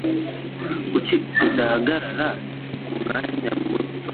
Kuki udahagarara umwanya muto?